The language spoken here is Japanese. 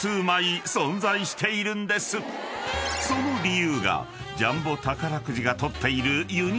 ［その理由がジャンボ宝くじが取っている］